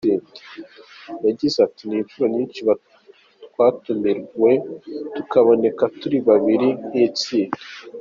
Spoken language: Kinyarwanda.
Yagize ati "Ni inshuro nyinshi twatumiwe tukaboneka turi babiri nk’itsinda.